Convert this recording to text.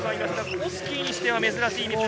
オスキーにしては珍しい。